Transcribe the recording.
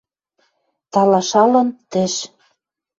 Талашалын — тӹш!